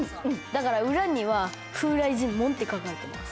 だから裏には「風雷神門」って書かれてます。